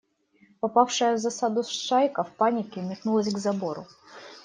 Попавшая в засаду шайка в панике метнулась к забору.